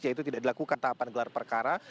yaitu tidak dilakukan tahapan gelar perkara